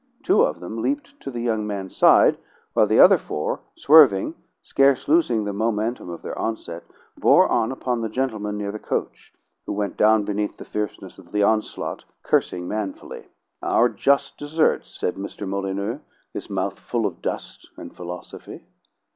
Two of them leaped to the young man's side, while the other four, swerving, scarce losing the momentum of their onset, bore on upon the gentlemen near the coach, who went down beneath the fierceness of the onslaught, cursing manfully. "Our just deserts," said Mr. Molyneux, his mouth full of dust and philosophy.